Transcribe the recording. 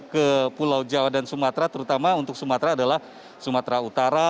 ke pulau jawa dan sumatera terutama untuk sumatera adalah sumatera utara